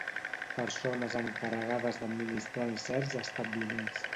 Persones encarregades d'administrar en certs establiments.